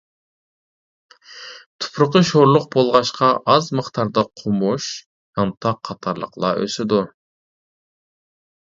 تۇپرىقى شورلۇق بولغاچقا، ئاز مىقداردا قومۇش، يانتاق قاتارلىقلار ئۆسىدۇ.